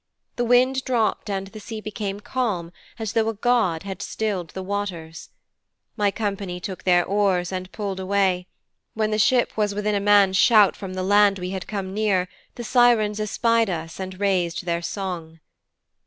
The wind dropped and the sea became calm as though a god had stilled the waters. My company took their oars and pulled away. When the ship was within a man's shout from the land we had come near the Sirens espied us and raised their song.'